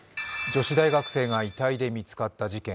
女子大学生が遺体で見つかった事件。